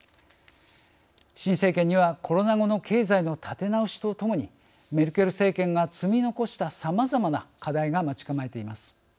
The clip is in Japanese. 新政権にはコロナ後の経済の立て直しとともにメルケル政権が積み残したさまざまな課題が待ち構えています。